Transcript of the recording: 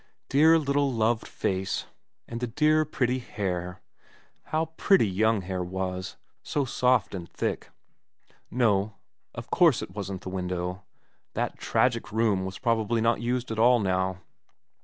Dear little loved face. And the dear, pretty hair, how pretty young hair was, so soft and thick. No, of course it wasn't the window ; that tragic room was probably not used at all now.